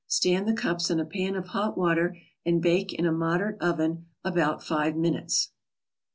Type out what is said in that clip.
Stand the cups in a pan of hot water and bake in a moderate oven about five minutes.